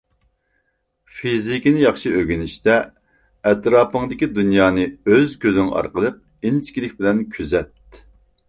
فىزىكىنى ياخشى ئۆگىنىشتە، ئەتراپىڭدىكى دۇنيانى ئۆز كۆزۈڭ ئارقىلىق ئىنچىكىلىك بىلەن كۆزەت.